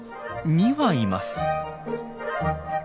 ２羽います。